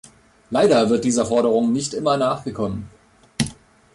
Leider wird dieser Forderung nicht immer nachgekommen.